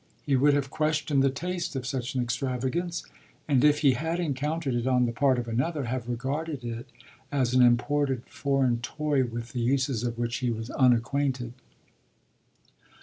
He would have questioned the taste of such an extravagance and if he had encountered it on the part of another have regarded it as an imported foreign toy with the uses of which he was unacquainted.